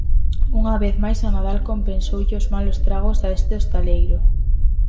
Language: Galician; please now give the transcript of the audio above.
Unha vez máis o Nadal compensoulle os malos tragos a este hostaleiro.